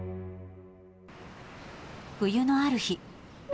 冬のある日。